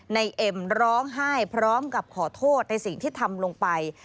เอ็มร้องไห้พร้อมกับขอโทษในสิ่งที่ทำลงไป